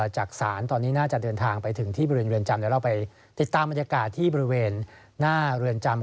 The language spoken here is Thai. จะเราไปติดตามบรรยากาศที่บริเวณหน้าเรือนจำ